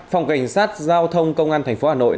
phòng cảnh sát giao thông công an tp hà nội